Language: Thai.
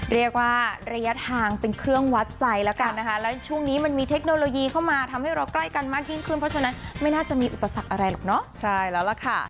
ระยะทางเป็นเครื่องวัดใจแล้วกันนะคะแล้วช่วงนี้มันมีเทคโนโลยีเข้ามาทำให้เราใกล้กันมากยิ่งขึ้นเพราะฉะนั้นไม่น่าจะมีอุปสรรคอะไรหรอกเนอะใช่แล้วล่ะค่ะ